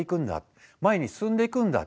前に進んでいくんだ。